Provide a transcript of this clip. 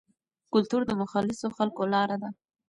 کلتور د مخلصو خلکو لاره ده.